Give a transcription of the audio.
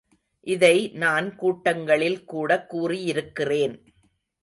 இதை நான் கூட்டங்களில் கூடக் கூறியிருக்கிறேன்.